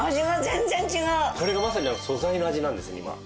それがまさに素材の味なんですね。